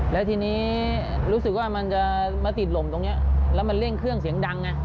แล้วทีนี้รู้สึกว่ามันจะมาติดลมตรงนี้แล้วมันเร่งเครื่องเสียงดังไง